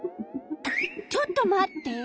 ちょっと待って。